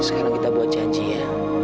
sekarang kita buat janji ya